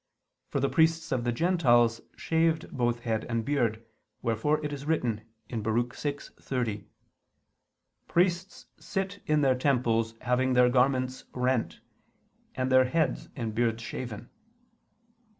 For the priests of the Gentiles shaved both head and beard, wherefore it is written (Bar 6:30): "Priests sit in their temples having their garments rent, and their heads and beards shaven."